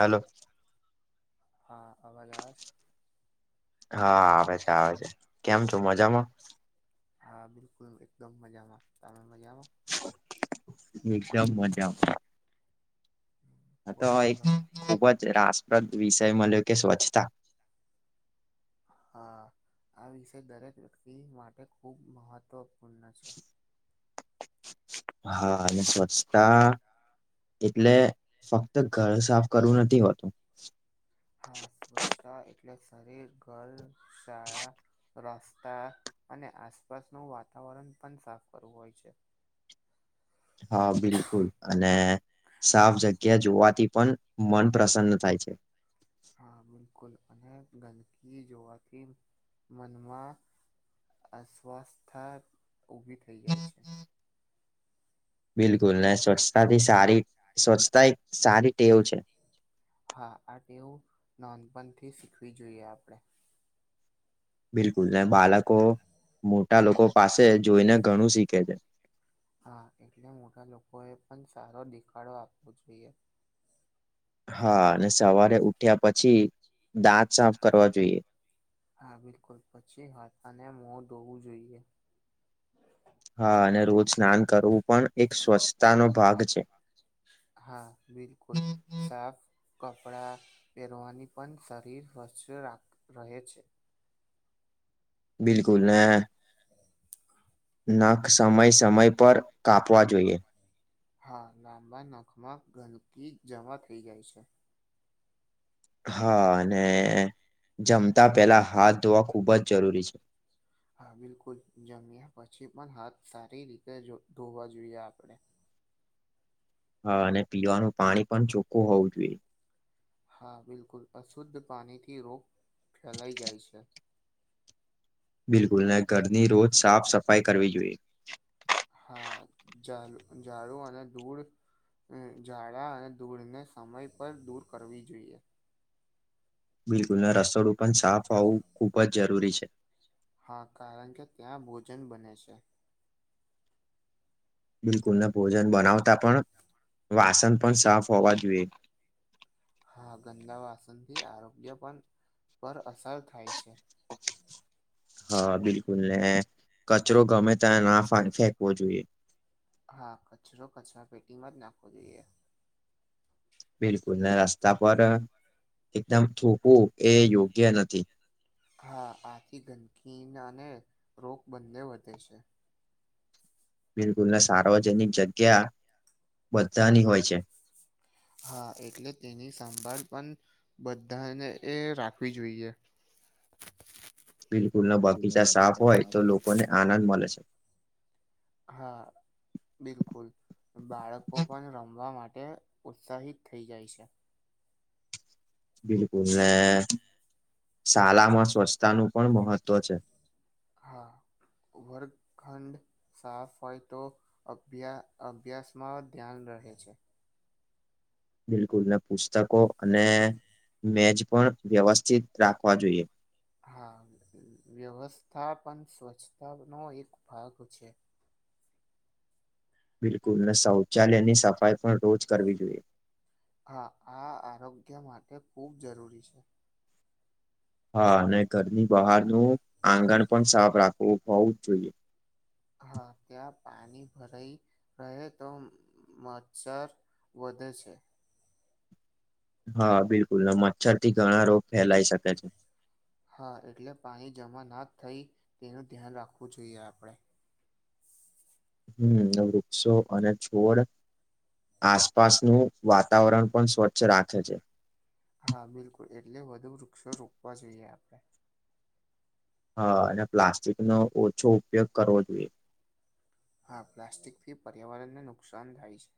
Hello હા અવાજ આવાજ હા આવે છે આવે છે કેમ છો મજામાં હા બિલકુલ એકદમ મજામાં તમે મજામાં એકદમ મજા હ તો બોલો એક બોલો ખુબ જ રાસપ્રદ વિષય મળ્યો કે સ્વચ્છતા હ આ વિષય દરેક વ્યક્તિ માટે ખૂબ મહત્વપૂર્ણ છે હા અને સ્વસ્તા એટલે ફક્ત ઘર સાફ કરવું નથી હોતું હા સ્વચ્છતા એટલે શરીર ગર્લ શાળા રસ્તા અને આસપાસનું વાતાવરણ પણ સાફ કરવું હોય છે હા બિલકુલ અને સાફ જગ્યા જોવાથી પણ મન પ્રસન્ન થાય છે હા બિલકુલ અને ગંદકી જોવાથી મનમાં અસ્વાસ્થા ઉભી થઈ જાય છે બિલકુલ ને સ્વચ્છતા થી સારી સ્વચ્છતા એક સારી ટેવ છે હા આ ટેવું નોંધપણથી શીખવી જોઈએ આપણેે બિલકુલ બાળકો મોટા લોકો પાસે જોઈને ઘણું શીખે છે હા એટલે મોટા લોકો એ પણ સારો દેખાડો આપવો જોઈએ હા અને સવારે ઉઠ્યા પછી દાંત સાફ કરવા જોઈએ હા બિલકુલ પછી હાથાને મોં ધોવું જોઈએ હા અને રોજ સ્નાન કરવું પણ એક સ્વસ્થ હા બિલકુલ સાફ કપડાં પહેરવાની પણ શરીર સ્વચ્થ રાખ રહે છે બિલકુલ ને હ નખ સમય સમય પર કાપવા જોઈએ હા લાંબા નખમાં ગલકી જમા થઈ જાય છે હા અને જમતા પેલા હાથ ધોવા ખુબ જ જરૂરી છે હા બિલકુલ જમ્યા પછી પણ હાથ સારી રીતે ધોવા જોઈએ આપણેે હા અને પીવાનું પાણી પણ ચોખ્ખું હોવું જોઈએ હા બિલકુલ અશુદ્ધ પાણીથી રોગ ફેલાઈ જાય છે બિલકુલ ના ઘરની રોજ સાફ સફાઈ કરવી જોઈએ હા ઝા ઝાડુ અને દૂળ જાળા અને ધુળને સમય પર દૂર કરવી જોઈએ બિલકુલ ને રસોડું પણ સાફ હોવું ખુબ જ જરૂરી છે. હા કારણ કે ત્યાં ભોજન બને છે. બિલકુલ ને ભોજન બનાવતા પણ વાસન પણ સાફ હોવા જોએ હા ગંદા વાસનથી આરોગ્ય પણ પર અસર થાય છે. હા બિલકુલ ને કચરો ગમે તા ના ફા ફેંકવો જોએ હા કચરો કચરા પેટીમાં જ નાખવો જોઈએ બિલકુલ ને રસ્તા પર એકદમ થૂકું એ યોગ્ય નથી હા આથી ગંદકીનાને રોગ બંને વધે છે. બિલકુલ ને સાર્વજનિક જગ્યા બધાની હોય છે. હા એટલે તેની સાંભળ પણ બધાને એ રાખવી જોઈએ બિલકુલ ન બગીચા સાફ હોય તો લોકોને આનંદ મલે છે. હા. બિલકુલ બાળકો પણ રમવા માટે ઉત્સાહિત થઈ જાય છે. બિલકુલ ને શાલામાં સ્વચ્છતા નું પણ મહત્વ છે. હા વગૅર્ખંડ સાફ હોય તો અભ્યા અભ્યાસમાં ધ્યાન રહે છે. બિલકુલ ને પુસ્તકો અને મેજ પણ વ્યવસ્થિત રાખવા જોઈએ હા વ્યવસ્થાપન સ્વચ્છતા નો એક ભાગ છે. બિલકુલ ને શૌચાલયની સફાઈ પણ રોજ કરવી જોઈએ હા આ આરોગ્ય માટે ખૂબ જરૂરી છે. હા અને ઘરની બહારનું આંગણ પણ સાફ રાખવું હોવું જ જોઈએ હા તયા પાણી ભરાય રહે તો મચછર વધે છે. હા બિલકુલ મચ્છર થી ઘણા રોગ ફેલાઈ શકે છે. હા એટલે પાણી જમા ના થઈ તેનું ધ્યાન રાખવું જોઈએ આપડે હમ વૃક્ષો અને છોડ આસપાસનું વાતાવરણ પણ સ્વચ્છ રાખે છે. હા બિલકુલ એટલે વધુ વૃક્ષો રોપવા જોઈએ આપડે હા અને પ્લાસ્ટિકનો ઓછો ઉપયોગ કરવો જોએ હા પ્લાસ્ટિકથી પર્યાવરણને નુકસાન થાય છે.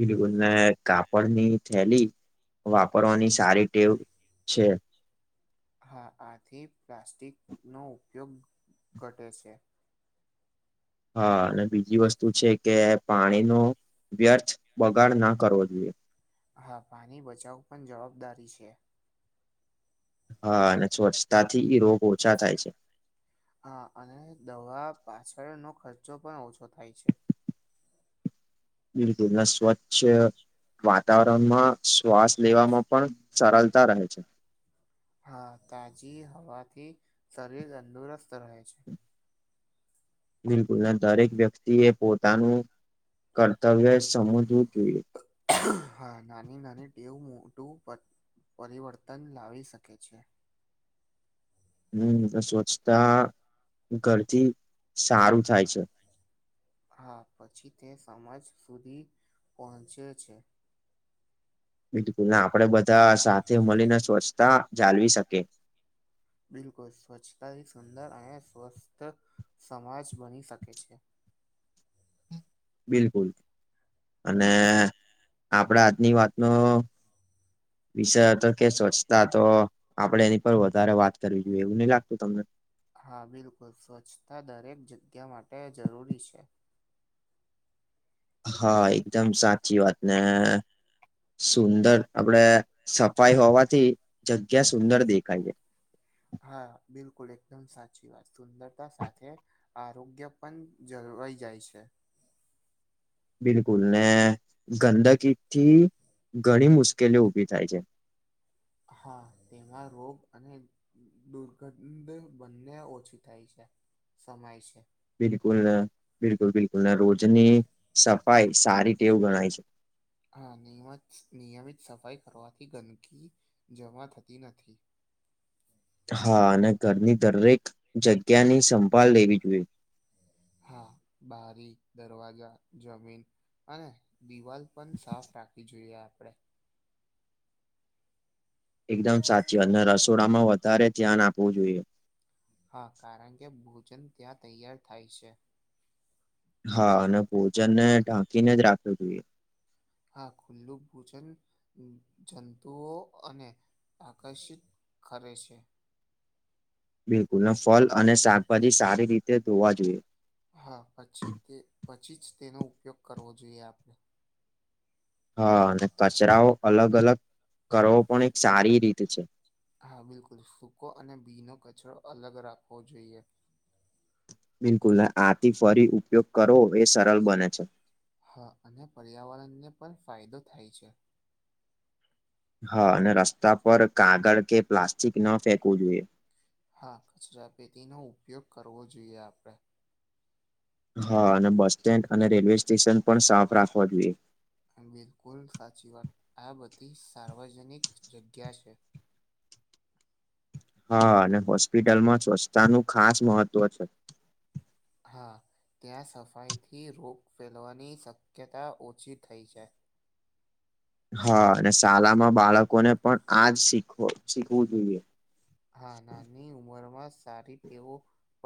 બિલકુલ ને કાપડની થેલી વાપરવાની સારી ટેવ છે. હા આથી પ્લાસ્ટિકનો ઉપયોગ ઘટે છે. હા અને બીજી વસ્તુ છે, કે પાણીનો વ્યર્થ બગાડ ના કરવો જોઈએ હા પાણી બચાવ પણ જવાબદારી છે. હ અને સ્વચતાથી રોગ ઓછા થાય છે. હા અને દવા પાછળનો ખર્ચો પણ ઓછો થાય છે. બિલકુલને સ્વચ્છ વાતાવરણમાં શ્વાસ લેવામાં પણ સરલતા રહે છે. હા તાજી હવાથી શરીર તંદુરસ્ત રહે છે. બિલકુલ દરેક વ્યક્તિ એ પોતાનું કર્તવ્ય સમજવું જોઈએ હા નાની નાની ટેવ મોટું પ પરિવર્તન લાવી શકે છે. હમ સ્વચ્છતા ઘરથી સારું થાય છે. હા પછી તે સમજ સુધી પહોંચે છે. બિલકુલને આપડે બધા સાથે મળીને સ્વચ્છતા જાલવી શકીએ બિલકુલ સ્વચ્છતાથી સુંદર અને સ્વસ્થ સમાજ બની શકે છે. બિલકુલ અને આપડે આજની વાતનો વિષય હતો કે સ્વચ્છતા ત આપડે એની પર વધારે વાત કરવી જોઈએ એવું નહી લાગતું તમને. હા બિલકુલ સ્વચ્છતા દરેક જગ્યા માટે જરૂરી છે. હા એકદમ સાચી વાત ને સુંદર આપડે. સફાઈ હોવાથી જગ્યા સુંદર દેખાય છે. હા બિલકુલ એકદમ સાચી વાત સુંદરતા સાથે. આરોગ્ય પણ જળવાઈ જાય છે. બિલકુલ ને ગંદકી થી ઘણી મુશ્કેલીઓ ઉભી થાય છે. હા તેમાં રોગ અને. દુર્ઘંધ બંને ઓછી થાય છે સમય છે. બિલકુલ બિલકુલ બિલકુલ રોજની સફાઈ સારી વું ગણાય છે. હા નિયમત નિયમિત સફાઈ કરવાથી ગંદકી જમા થતી નથી. હા અને ઘરની દરેક જગ્યા ની સંભાળ લેવી જોઈએ. હા બારી દરવાજા જમીન અને દિવાલ પણ સાફ રાખવી જોઈએ આપણે એકદમ સાચી અને રસોડામાં વધારે ધ્યાન આપવું જોઈએ. હા કારણ કે ભોજન ત્યાં તૈયાર થાય છે. હા અને ભોજનને ઢાંકીને જ રાખવી જોઈએ. હા ખુલ્લું ભોજન જંતુઓ અને આકર્ષિત કરે છે. બિલકુલ ફળ અને શાકભાજી સારી રીતે ધોવા જોઈએ. હા પછી તે પછી જ તેનો ઉપયોગ કરવો જોઈએ આપણે. હા અને કચરાઓ અલગ અલગ કરવો પણ એક સારી રીત છે. હા બિલકુલ સૂકો અને બી નો કચરો અલગ રાખવો જોઈએ. બિલકુલ આથી ફરી ઉપયોગ કરો એ સરળ બને છે. હા અને પર્યાવરણને પણ ફાયદો થાય છે. હા અને રસ્તા પર કાગળ કે પ્લાસ્ટિક ન ફેંકવું જોઈએ. હા કચરાપેટીનો ઉપયોગ કરવો જોઈએ આપણે. હા અને બસ સ્ટેન્ડ અને રેલવે સ્ટેશન પણ સાફ રાખવા જોઈએ. બિલકુલ સાચી વાત આ બધી સાર્વજનિક જગ્યા છે. હા અને હોસ્પિટલમાં સ્વચ્છતા નું ખાસ મહત્વ છે. હા ત્યાં સફાઈથી રોગ ફેલવાની શક્યતા ઓછી થઈ છે. હા અને શાળામાં બાળકોને પણ આજ શીખ શીખવું જોઈએ. હા નાની ઉંમર માં સારી તેવ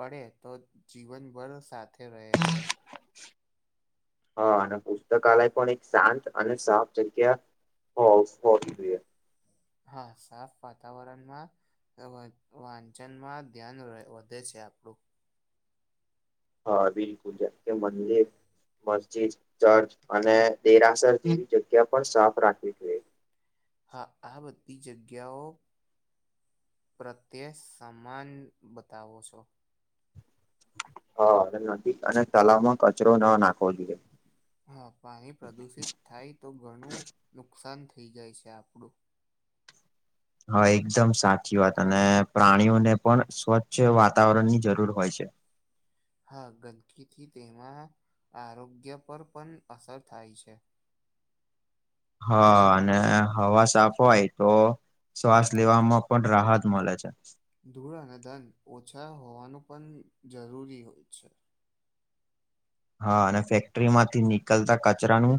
પડે તો જીવનભર સાચ તે રહે છે હા અને પુસ્તકાલય પણ એક શાંત અને સાફ જગ્યા. હ સ્પોટ હા સાફ વાતાવરણમાં. વાંચનમાં ધ્યાન વધે છે આપણું. હા બિલકુલ જા મને. મસ્જિદ ચર્ચ અને દેરાસર જેવી જગ્યા પણ સાફ રાખવી જોઈએ. હા આ બધી જગ્યાઓ. પ્રત્યે સમાન બતાવો છો. હા નથી અને તલાવમાં કચરો ન નાખવો જોઈએ. હા પાણી પ્રદુષિત થાય તો ઘણું નુકસાન થઈ જાય છે આપણું. હા એકદમ સાચી વાત અને પ્રાણીઓને પણ સ્વચ્છ વાતાવરણ ની જરૂર હોય છે. હા ગંદકીથી તેમાં આરોગ્ય પર પણ અસર થાય છે. હા અને હવા સાફ હોય તો. શ્વાસ લેવામાં પણ રાહત મળે છે. ધૂળ અને દંડ ઓછા હોવાનું પણ જરૂરી હોય છે. હા અને ફેક્ટરી માંથી નીકલતા કચરાનું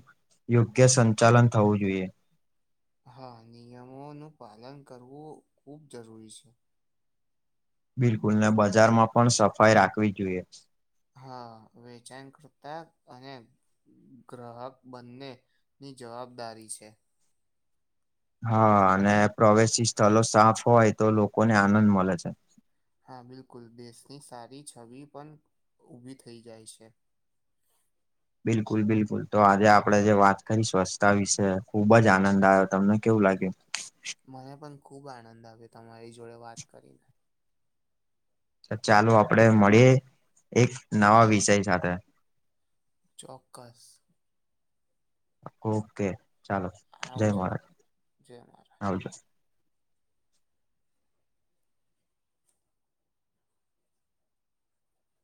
યોગ્ય સંચાલન થવું જોઈએ. હા, નિયમોનું પાલન કરવું ખુબ જરૂરી છે. બિલકુલ ને બજારમાં પણ સફાઈ રાખવી જોઈએ. હા, વેચાણ કરતા અને ગ્રાહક બંને ની જવાબદારી છે. હા, અને પ્રવેશી સ્થલ સાફ હોય તો લોકોને આનંદ મલે છે. હા, બિલકુલ દેશની સારી છબિ પણ ઊભી થઈ જાય છે. બિલકુલ બિલકુલ તો આજે આપડે જે વાત કરી સ્વચ્છતા વિશે ખુબ જ આનંદ આયો તમે. કેવું લાગે? મને પણ ખુબ આનંદ આવ્યો તમારી જોડે વાત કરીને. તે ચાલો આપડે મળીએ એક નવા વિષય સાથે. ચોક્કસ. ઓકે ચાલો. જય આવજો મહારાજ. જય મહારાજ આવજો.